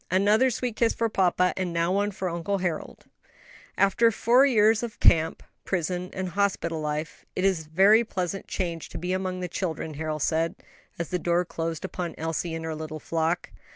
Another sweet kiss for papa, and now one for Uncle Harold." "After four years of camp, prison, and hospital life, it is a very pleasant change to be among the children," Harold said, as the door closed upon Elsie and her little flock.